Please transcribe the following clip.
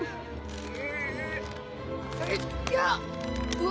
うわ！